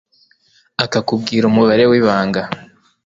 akakubwira umubare w'ibanga